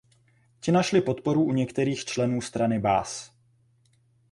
Ti našli podporu u některých členů strany Baas.